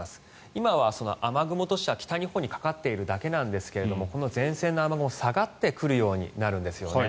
今は雨雲としては北日本にかかっているだけなんですがこの前線の雨雲下がってくるようになるんですよね。